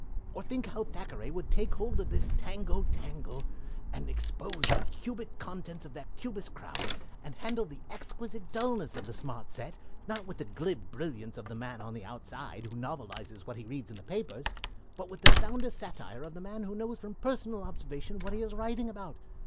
"Or think of how Thackeray would take hold of this tango tangle and expose the cubic contents of that Cubist crowd, and handle the exquisite dullness of the smart set, not with the glib brilliance of the man on the outside, who novelizes what he reads in the papers, but with the sounder satire of the man who knows from personal observation what he is writing about!